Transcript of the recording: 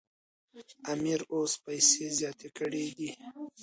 امیر اوس پیسې زیاتې کړي دي.